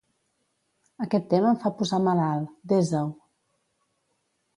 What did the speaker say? Aquest tema em fa posar malalt; desa-ho.